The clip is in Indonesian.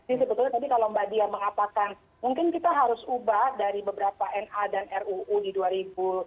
ini sebetulnya tadi kalau mbak dia mengatakan mungkin kita harus ubah dari beberapa na dan ruu di dua ribu dua puluh